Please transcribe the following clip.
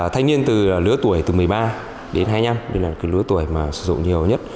thanh niên từ lứa tuổi từ một mươi ba đến hai mươi năm đây là lứa tuổi mà sử dụng nhiều nhất